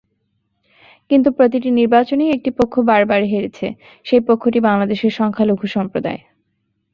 কিন্তু প্রতিটি নির্বাচনেই একটি পক্ষ বারে বারে হেরেছে—সেই পক্ষটি বাংলাদেশের সংখ্যালঘু সম্প্রদায়।